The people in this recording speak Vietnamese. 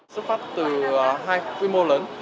xuất phát từ hai quy mô lớn